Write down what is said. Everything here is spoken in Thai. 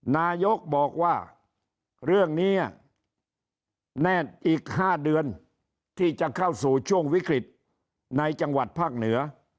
นายกบอกว่าเรื่องนี้แน่นอีก๕เดือนที่จะเข้าสู่ช่วงวิกฤตในจังหวัดภาคเหนือ